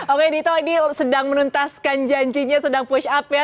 oke dito ini sedang menuntaskan janjinya sedang push up ya